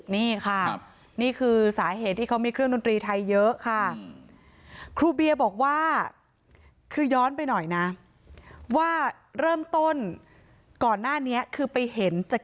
นี่ค่ะนี่คือสาเหตุที่เขามีเครื่องดนตรีไทยเยอะค่ะครูเบียบอกว่าคือย้อนไปหน่อยนะว่าเริ่มต้นก่อนหน้านี้คือไปเห็น